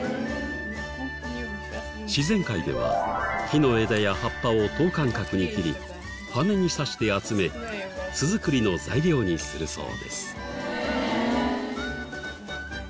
自然界では木の枝や葉っぱを等間隔に切り羽に挿して集め巣作りの材料にするそうです。